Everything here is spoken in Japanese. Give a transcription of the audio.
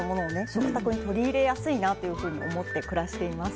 食卓に取り入れやすいなというふうに思って暮らしています。